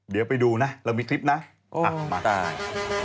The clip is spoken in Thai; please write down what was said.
เดี๋ยวไปดูนะเรามีคลิปนะมาได้